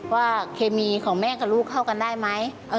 เคมีของแม่กับลูกเข้ากันได้ไหม